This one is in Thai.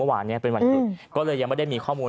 เมื่อวานนี้เป็นวันหยุดก็เลยยังไม่ได้มีข้อมูล